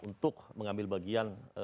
untuk mengambil bagian